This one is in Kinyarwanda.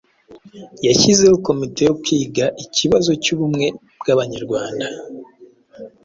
yashyizeho Komite yo kwiga ikibazo cy'ubumwe bw'Abanyarwanda